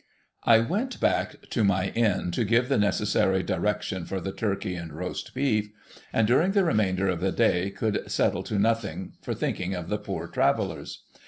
I went back to my inn to give the necessary directions for the Turkey and Roast Beef, and, during the remainder of the day, could settle to nothing for thinking of the Poor Travellers.